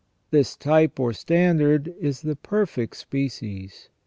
This type or standard is the perfect species.